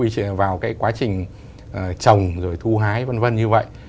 việc tác động vào cái quá trình trồng rồi thu hái v v như vậy